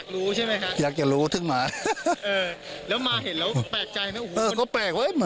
รสชาติมันเป็นอย่างไงครับ